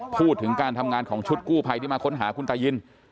พูดถึงการทำงานของชุดกู้ภัยที่มาค้นหาคุณตายิน